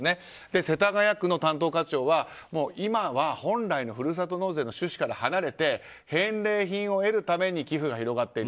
世田谷区の担当課長は今は本来のふるさと納税の趣旨から離れて返礼品を得るために寄付が広がっている。